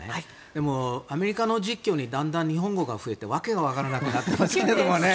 でも、アメリカの実況にだんだん日本語が増えて訳がわからなくなってますけどね。